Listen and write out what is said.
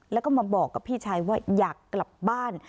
แล้วก็มาบอกกับพี่ชายว่าอยากกลับบ้าน